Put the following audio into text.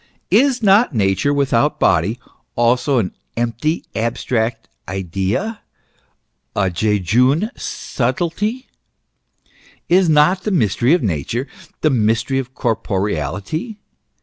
Is not Nature without body also an "empty, abstract" idea, a "jejune sub tilty ?" Is not the mystery of Nature the mystery of corpo reality